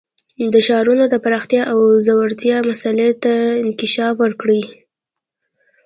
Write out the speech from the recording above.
د ښارونو د پراختیا او ځوړتیا مسئلې ته انکشاف ورکړي.